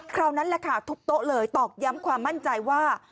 คราวนั้นทุบโตะเลยต่ออย้ำความมั่นใจว่า